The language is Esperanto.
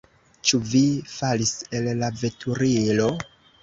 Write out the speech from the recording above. Ĉu vi falis el la veturilo?